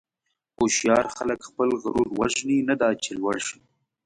هوښیار خلک خپل غرور وژني، نه دا چې لوړ شي.